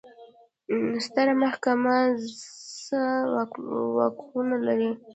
ستره محکمه څه واکونه لري؟